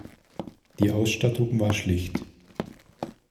Die Ausstattung war schlicht.